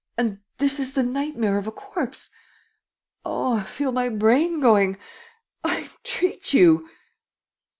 And this is the nightmare of a corpse! ... Oh, I feel my brain going! ... I entreat you.